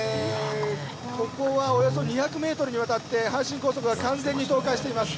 ここはおよそ２００メートルにわたって阪神高速が完全に倒壊しています。